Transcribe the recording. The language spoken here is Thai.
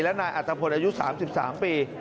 และนายอาจารย์อายุ๓๓ปี